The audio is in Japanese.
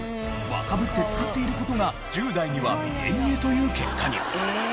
若ぶって使っている事が１０代には見え見えという結果に。